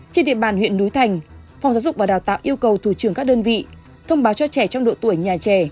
trên địa bàn huyện núi thành phòng giáo dục và đào tạo yêu cầu thủ trưởng các đơn vị thông báo cho trẻ trong độ tuổi nhà trẻ